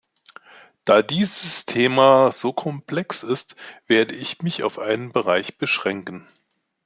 Da dieses Thema so komplex ist, werde ich mich auf einen Bereich beschränken.